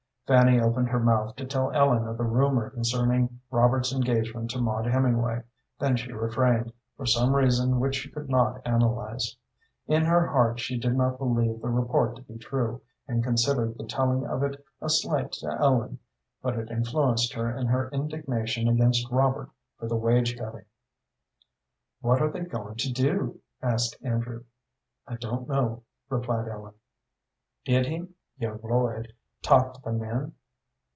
Fanny opened her mouth to tell Ellen of the rumor concerning Robert's engagement to Maud Hemingway, then she refrained, for some reason which she could not analyze. In her heart she did not believe the report to be true, and considered the telling of it a slight to Ellen, but it influenced her in her indignation against Robert for the wage cutting. "What are they going to do?" asked Andrew. "I don't know," replied Ellen. "Did he young Lloyd talk to the men?"